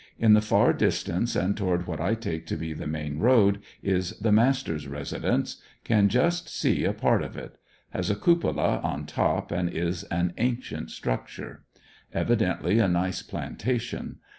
In the far distance and toward what I take to be the main road is the master's residence. Can just see a part of it. Has a cupola on top and is an ancient structure. Evidently a nice plantation.